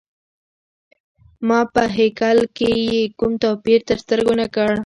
ما په هیکل کي یې کوم توپیر تر سترګو نه کړ.